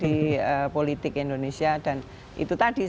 jadi menambah dinamika sih ya di politik indonesia dan itu tadi sebetulnya